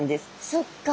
そっか。